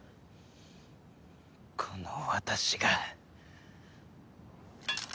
この私が？